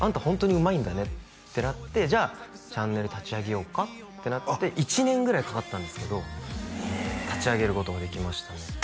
ホントにうまいんだねってなってじゃあチャンネル立ち上げようかってなって１年ぐらいかかったんですけど立ち上げることができましたね